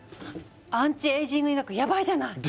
アンチエイジング医学ヤバいじゃない！でしょう？